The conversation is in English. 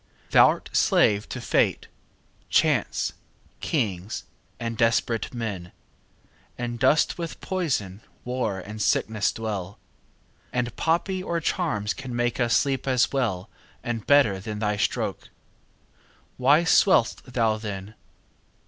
Thou'rt slave to fate, chance, kings, and desperate men, And dost with poison, war, and sickness dwell; 10 And poppy or charms can make us sleep as well And better than thy stroke. Why swell'st thou then?